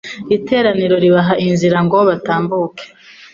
iteraniro ribaha inzira ngo batambuke